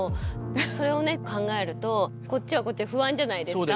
それをね考えるとこっちはこっちで不安じゃないですか。